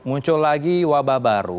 muncul lagi wabah baru